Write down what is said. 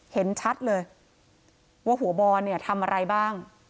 เห็นชัดเลยว่าหัวบอลเนี่ยทำอะไรบ้าง